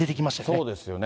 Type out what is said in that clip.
そうですよね。